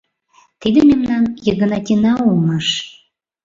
Тиде мемнан Йыгынатина улмаш.